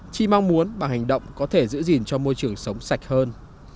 chỉ mong muốn bằng hành động có thể giữ gìn cho môi trường sống sạch hơn